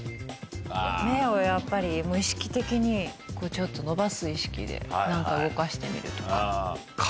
目をやっぱり意識的に伸ばす意識で動かしてみるとか。